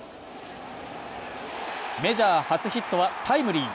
メジャー初ヒットはタイムリー。